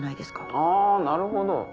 あなるほど。